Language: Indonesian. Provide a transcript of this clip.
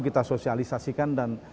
kita sosialisasikan dan